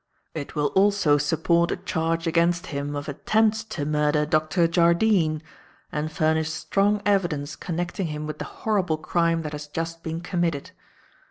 It will also support a charge against him of attempts to murder Dr. Jardine, and furnish strong evidence connecting him with the horrible crime that has just been committed.